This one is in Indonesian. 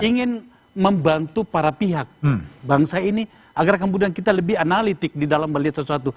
ingin membantu para pihak bangsa ini agar kemudian kita lebih analitik di dalam melihat sesuatu